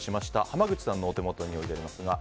濱口さんのお手元にあります。